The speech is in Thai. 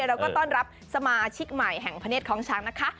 เราก็ต้อนรับสมาชิกใหม่แห่งพระเนธคล้องช้างนะคะ